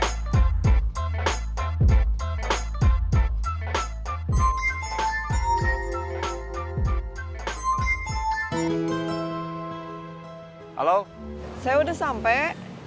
saya udah sampai